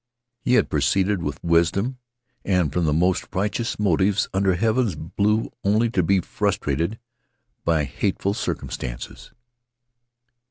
He had proceeded with wisdom and from the most righteous motives under heaven's blue only to be frustrated by hateful circumstances.